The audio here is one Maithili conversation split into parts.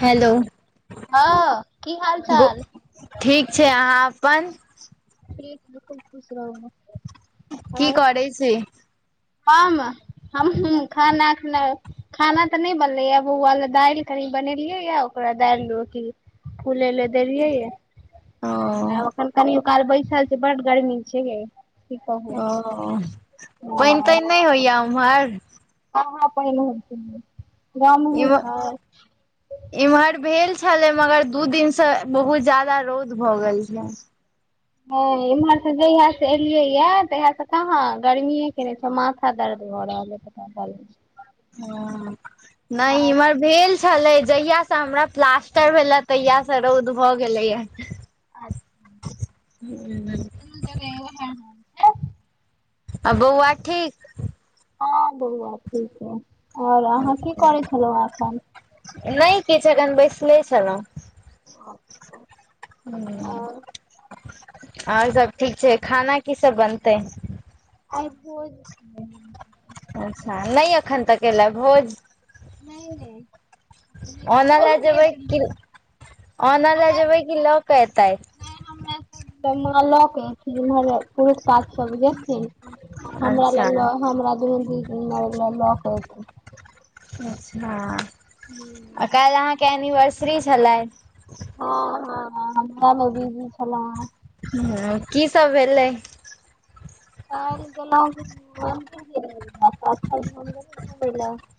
हेलौ हँ की हाल गु चाल ठीक छैय अहाँ अपन प्लीज बिल्कुल खुश रहुऽ की करैय छी हम हमहु खाना एखने खाना तऽ नै बनलै या बौआ लए दैल कनी बनेलियै या ओकरा दैल रोटी फूलै लय देलियै या ओ आब अखन कनियो काल बैसल छैय बड़ गरमी छैयगै ओहऽ पानि तानि नै होइया उम्हर हँ हँ पानि होय छैय एमऽ ईम्हर भेल छलैय मगर दू दिन स बहुत ज्यादा रौद भऽ गेल छै ह इम्हर स जहिया स एलियैया तहिया स कहाँ गर्मीेये केने छै माथ माथा दर्द भऽ रहलयै पता [unintelligible] हँ नै छै ईम्हर भेल छलै जहिया स हमरा प्लास्टर भेलए तहिया स रौद भऽ गेलैया [unintelligible] दुनू जगह उए हैय आ बौआ ठीक हँ बहुआ ठीक है आओर अहाँ की करै छलौहें एखन नै किछ एखन बैसले छलौ [inaudible] आओर सब ठीक छैय खाना की सब बनतै आइ भोज छै अच्छा नै एखन तक एलए भोज नै नै अनलऽ जेबै कि अनलऽ जेबै कि लऽ कऽ एतैथ नै हमरा सबलए माँ लऽ क एथिन इमहर पुरुख पात्त सब जेथिन हमरा अच्छा लए लऽ हमरा दुनू दीदी आओर लए लऽ क एथिन अच्छऽ आ काल्हि अहाँके एनिवर्सरी छलय हँ हँ हमरा लग बीजी छलौहें हू की सब भेलै [unintelligible]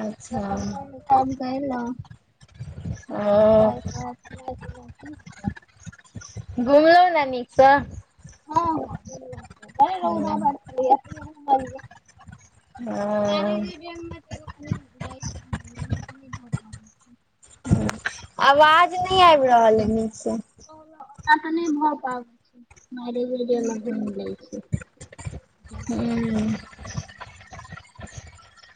अच्छा ओ [unintelligible] घुमलहु नऽ नीक सऽ हँ [unintelligible] [unintelligible] आवाज नहि आबि रहल अइ नीक सऽ तक नहि भऽ पाबै छैय मैरेजे डे लग घूमि जाय छैय हू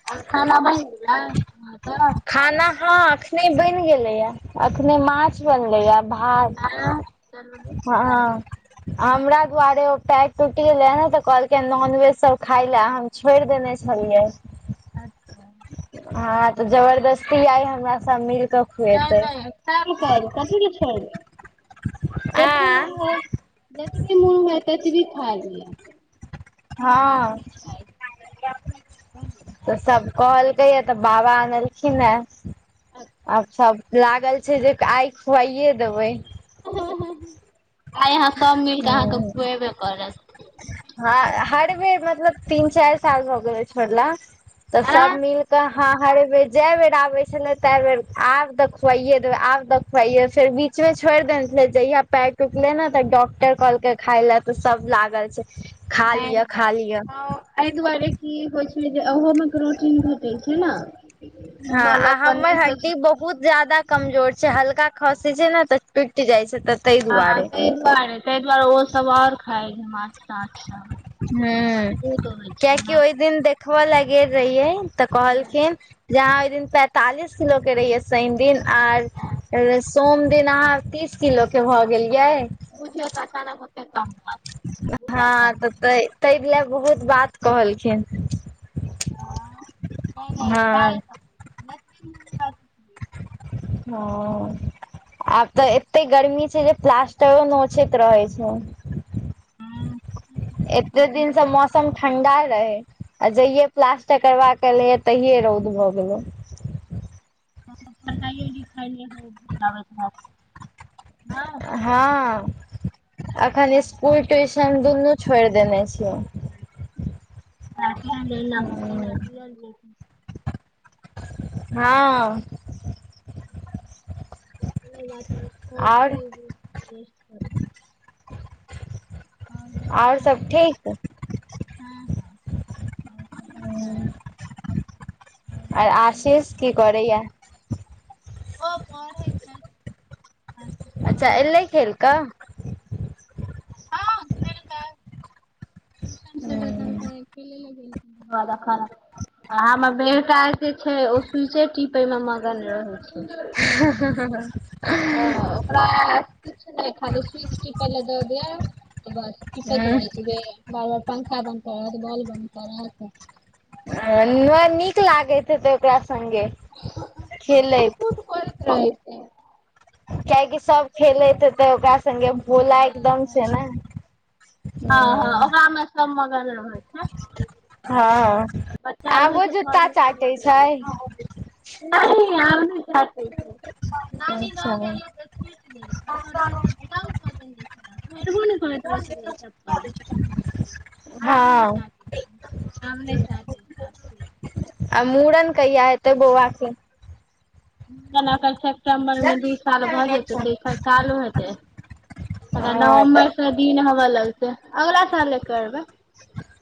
आओर खाना बनि गलै अहाँक खाना हाँ अखने बनि गेलैये अखने माछ बनलेये आ भात [unintelligible] नीक हँ खाना अइ अहाँके आ माछ हमरा त दुआरे ओ पैर टूटि गेलैहें तऽ कहलकयहें नॉनवेज सब खााय ले हम छोड़ि देने छलियै अच्छा हँ तऽ जबरदस्ती आइ हमरा सब मिल कऽ खुएतै खाइल कर कथी ले छोड़बय आ जतबी मोन हुये जतबी मोन हुये ततबी खाय लिये हँऽ तऽ सब कहलकैये तऽ बाबा अनलखिन हें आब सब लागल छै जे आइ खुआइे देबै हँ हँ आइ अहाँ सब मिलके अहाँके ह खुएबे करत हँ हर बेर मतलब तीन चारि साल भऽ गेलय छोड़ला तऽ आ सब मिल कऽ हँ हरे बेर ज बेर आबे छले ते बेर आब त खुआये देबै आब तऽ फेर बीच मे छोड़ देने छले जहिया पैर टुटले ने तऽ डॉक्टर कहलके खाइले तऽ सब लागल छै खा नहि लियअ नहि खा लियअ हँ, एहि दुआरे की हो छै जे ओहोमे के प्रोटीन भेटै छैय नऽ हँ आ हमर हड्डी बहुत बहुत ज्यादा कमजोर छै हल्का खसी छै नऽ तऽ टुटि जाइ छै तऽ ताहि हँ दुआरे ताहि दुआरे ताहि दुआरे ओ सब आओर खााय छै माछ अच्छा लेकिन मजबूत होइ छो नऽ देखब लगेल रहियै तऽ कहलखिन जे यहाँ ओहि दिन पैंतालिस किलो कऽ रहिये शनि दिन आर सोम दिन अहाँ तीस किलो कऽ भए गेलिये बूझ तऽ अचानक [unintelligible] बहुते कम हँ तऽ त ताहि लऽ बहुत बात कहलखिन हँ नहि नहि हँ खायल हँ आब तऽ एते गर्मी छै जे प्लासटरो नोचेत रहै छै [unintelligible] एते दिनसँ मौसम ठण्डा रहै आ जहिये प्लास्टर करबाका एलिए तहिये रौद भऽ गेलो तब तऽ पढ़ाइ लिखाइ नहि होयत हेत [unintelligible] नहि हँ अखन स्कुल ट्यूशन दुनू छोड़ देने छिय छियै [unintelligible] हँ आओर [unintelligible] और भड़िया आओर सब ठीक ह हँ हँ बढ़िया अइ [inaudible] और आर अहीं आशीष कहियौ की करैया ओ पढ़ है अच्छा एलै खेल कऽ टूशन से अल्ले [unintelligible] आ हमर बेटा जे छै ओ स्विछे टिपे मे मगन रहै छै ह ह ह ह ओकरा नहि [unintelligible] खाली स्विच टिक ल दऽ दि बस तिपात ह रह छै बार बार पंखा बन्द कर बॉल बन्द कर नीक लागैत हेते ओकरा सगे टीपैत खेलैतैत रहै छै कियकि सब खेलैत हेते ओकरा सगे भोला एकदम से ने हँ हँ ह ओकरा मे सब मगल रहै छै हँ बच्चा आबो जूता चाटे छै नई अब नई चटाई अच्छा छै [unintelligible] अता रहल त तंग कर दाने हँ छलाई [unintelligible] चपल [unintelligible] मुड़न कहिय हेतै बोआ के [unintelligible] सेप्टेम्बर मे दू साल भऽ जेतै तऽ ई चालू हेतै अ ह तऽ नवम्बर से दिन हऽ लगतै अगला साले करबै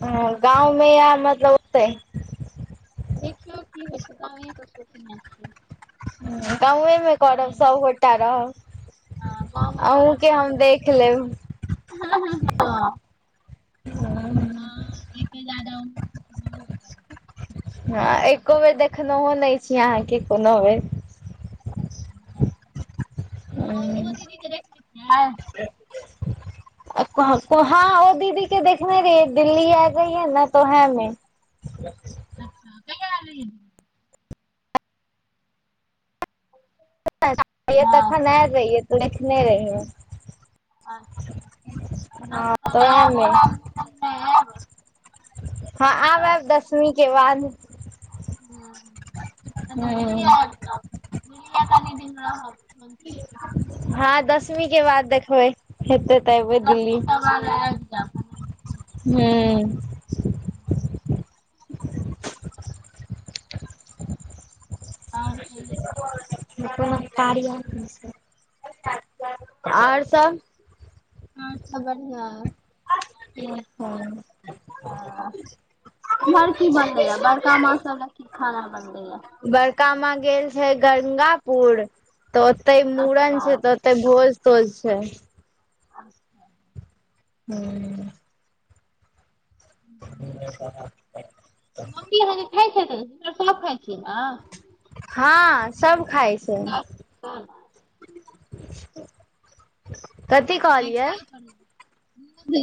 ह गाँव मे या मतलब होतै देखियौ की होइ छै। गाँवए के सोचने छिय। ह गाँवे मे करब सब गोटा रहब। हँ गाँवमे अहूँ के हम देख लेब ह ह हँ ह हँ ए से जादा [unintelligible] हँ एको बेर देखनहो नय छी अहाँके कोनो बेर ओ ओ दीदी के देखने छिये क ओ दीदी के देखने रहि दिल्ली आल रही है न तो ओहेमें। अच्छा कहिया आल रहिये हा? तखन आयल रहियै त देखने रहियै। हँ तऽ ओएह मे [unintelligible] हँ आब आयब दसमी के बाद। ह त दिल्ली अब टब दिलये कनि दिन रहब हँ दसमी के बाद देखबै हेते त एबै दिल्ली। त आयब जाब [unintelligible] हूम्म [inaudible] और कहिये [unintelligible] आओर सभ? और सब बढ़िआ ह एम्हर की बनले य बड़का माँ सब ल की खाना बनले य बड़का माँ गेल छै गंगापुर तऽ ओते मूड़न अच्छा छै तऽ तऽ भोज तोज छै। [unintelligible] [unintelligible] [unintelligible] मम्मी अहाँ कऽ खाइ छर सब खाइ छियै ने। हँ सब खाय छै। [inaudible] सास सभ कथी नहि कहलियै? खाइ छथिन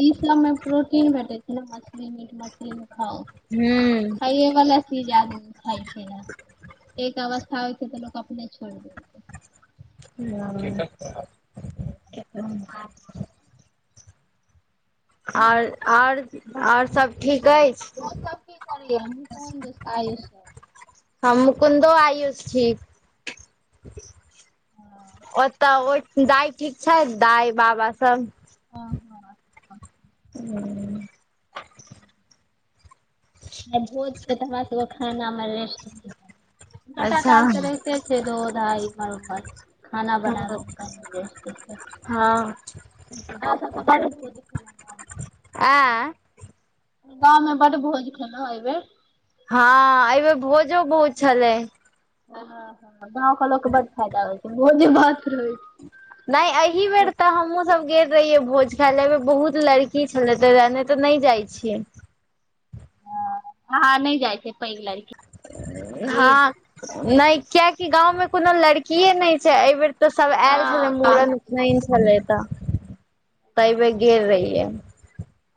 ई सबमे प्रोटीन भेटैत छै न मछली मीट मछली खाउ। [unintelligible] खाइए वला चीज आदमी खाइ छै न एक अवस्था होइ छै तऽ लोक अपने छोड़ दे। [unintelligible] और ओर और सब ठीक ऐछ [unintelligible] हम मुकुन्दो आयुष छी [inaudible] ओत दाइ ठीक छै दाइ बाबा सब हँ हँ [inaudible] [unintelligible] आए भोज छै तऽ हमरा सब कऽ खाना म रेस्ट छै नौ टा अच्छा काज तऽ रहैते छै दोधाइ इम्हार उम्हर खाना हँ बनाबै की रेस्ट हेतै हँ ऐं [unintelligible] गाँव में बड भोज खेलो है आइ बेर हँ आइबेर भोजो बहुत छलै [unintelligible] गाँव कऽ लोक कऽ बड फायदा होइ छै भोजे भात रहै छै नै अही बेर तऽ हमहूं सब गेल रहिये भोज खाय ले अय बेर बहुत लड़की छले तय दुआरे नै ते नै जाइ छियै हँ नै जाइ छै पैघ लड़की हँ नै कियकी गाँव में कोनो लड़कीये नै छै आइ बेर तऽ सब ऐल हँ छले मूड़न कहाँ उपनयन छले तऽ आइबेर गेल रहियै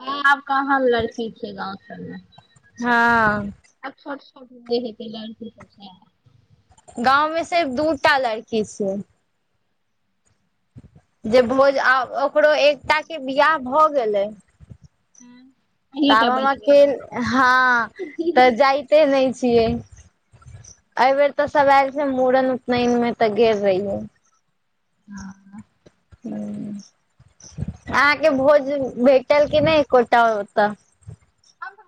हऽ आब कहाँ लड़की छै गाँव सब में हँ आब छोट छोट नै हेतै लड़की सब तै गाँव में सिर्फ दूटा लड़की छिय जे भोज आ ओकरो एकटा केँ बियाह भऽ गेलै [inaudible] ताब अहींटा हम बचि गेलहुँ आब अकेले हँ तऽ जायते नै छियै आइ बेेर तऽ सब आयल छै मुड़न उपनयन में तऽ गेल रहियै [unintelligible] [unintelligible] अहाँकेँ भोज भेटल कि नै एकोटा ओत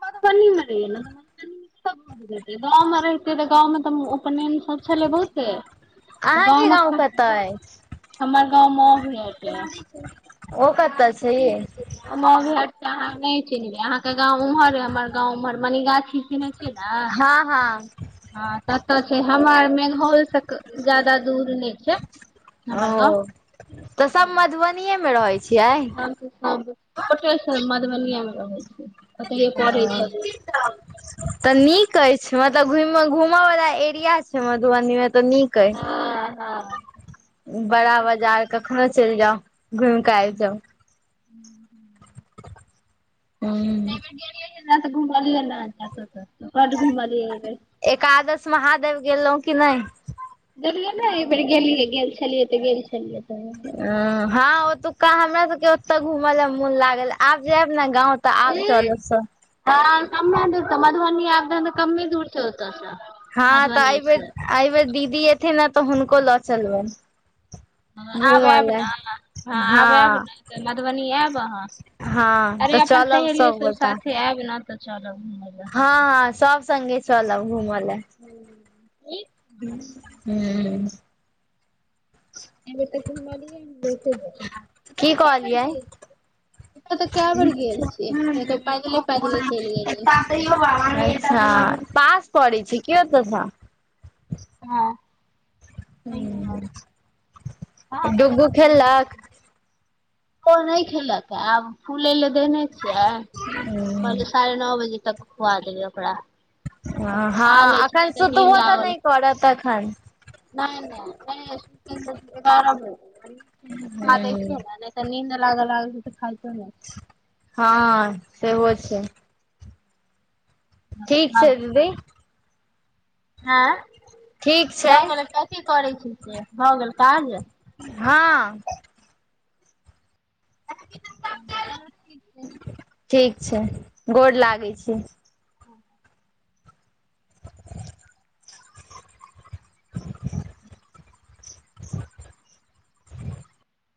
मधुबनी में रहिये लेलै है [unintelligible] गाँव मे रहितिये तऽ गाँव में तऽ उपनयन सब छलो बहुते गाव अहाँके गाँव मे कतऽ अइ हमर गावमे ओकरा छै यै। अहाँ नहि चिन्हबै अहाँकेँ गाव उम्हर हमर गाव उम्हर मनीगाछी। चिन्है छिये मे हँ हँ हँ ततऽ छै हमर मेघौल तक जय्दा दूरी नय छै। ओ हमर गाँव तऽ सभ मधुबनीएमे रहै छियै सभ सभ मधुबनिया मे रहै छै ओतहि पढ़े छलिये [inaudible] तऽ नीक अछि मतलब घू घूमय वला एरिया छै। मधुबनी में तऽ नीक अछि हँ ह बड़ा बाजार कखनो चलि जाउ घुइम कऽ आइब जाउ [unintelligible] एकादस महादेव गेलऊ कि नहि दखलियै ने एहि बेर गेलियै गेल छलियै तऽ गेल छलियै तऽ हँ ओतुका हमरा सभके ओतऽ घुमय ल मोन लागल आब जायब ने गाव तऽ आब चलब सभ मधुबनी त कमे दूर छै ओता से हँ तऽ एहि बेर एहि बेर दीदी एथिन ने तऽ हुनको लऽ चलबनि ह आब घूमऽ आयब लए ने ह आब आयब हँ ने तऽ मधुबनी आयब अहाँ हँ अरे तऽ अपन चलब सहेलीयो सभ सबगोटा साथे आयब न तऽ चलब घूमे हँ हँ सभ सङ्गे चलब घूमऽ ल लए हू। एय बेर तऽ घुमलिये ने बहुते कि कहलियै ओतऽ तऽ कए बेर गेल छियै नहि तऽ पैदले पैदले चलि [unintelligible] गेलियै अच्छा पास पड़ै छै कि ओतऽ सँ ह अहाँ कता डुगू कता गेल खेललक छिये ओ नहि खिलत आब फूलै लए देने छियै। साढ़े नओ बजे तक खुआ देबै ओकरा। खा लै हँ छै अखन नहि सुतबो तऽ नहि करत अखन [unintelligible] नीद लाग लागल तऽ खाइतो न ह सेहो छै ठीक छै दीदी। ठीक आँं भऽ छै गेलै कथी करे छी से भऽ गेल काज हँ। [unintelligible] चलू ठीक छै। ठीक छै गोर लागै छि। [inaudible]